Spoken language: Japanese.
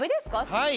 はい。